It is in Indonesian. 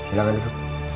ada apa itu